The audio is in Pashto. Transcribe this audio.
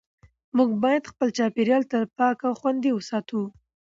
موږ باید خپل چاپېریال تل پاک او خوندي وساتو